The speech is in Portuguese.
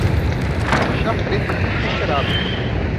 Chá preto muito inesperado